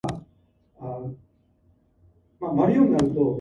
B has molecular form with an icosahedral structure.